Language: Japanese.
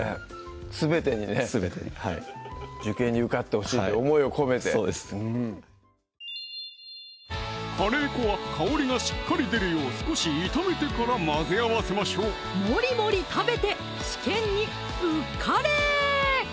すべてにねすべてに受験に受かってほしいって思いを込めてカレー粉は香りがしっかり出るよう少し炒めてから混ぜ合わせましょうもりもり食べて試験に受かれー！